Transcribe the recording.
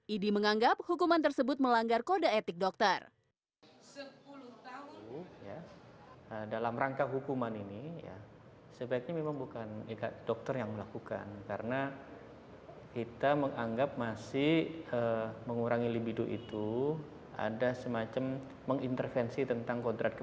idi menganggap hukuman tersebut melanggar kode etik dokter